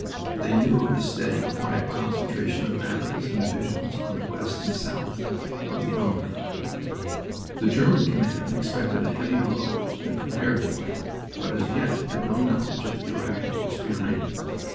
They knew of the steady, quiet concentration of batteries and divisions on the west and south of the Ancre. The German command expected a heavy blow and, prepared for it, but as yet had no knowledge of the driving force behind it.